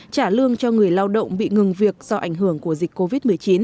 trả lương cho người lao động bị ngừng việc do ảnh hưởng của dịch covid một mươi chín